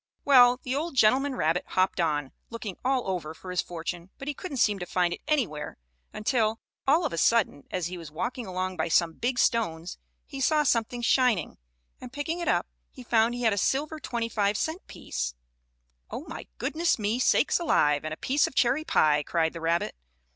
Well, the old gentleman rabbit hopped on, looking all over for his fortune, but he couldn't seem to find it anywhere until, all of a sudden, as he was walking along by some big stones, he saw something shining, and picking it up, he found he had a silver twenty five cent piece. "Oh, my goodness me, sakes alive and a piece of cherry pie!" cried the rabbit.